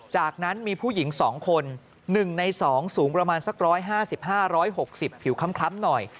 จากนั้นมีผู้หญิง๒คน๑ใน๒สูงประมาณสัก๑๕๕๖๐ผิวคล้ำหน่อย